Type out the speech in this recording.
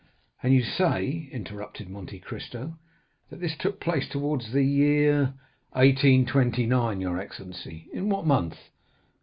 "And you say," interrupted Monte Cristo "that this took place towards the year——" "1829, your excellency." "In what month?"